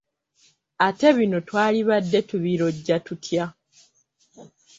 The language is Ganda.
Ate bino twalibadde tubirojja tutya?